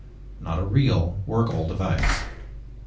Not a real, workable device.